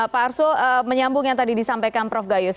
pak arsul menyambung yang tadi disampaikan prof gayus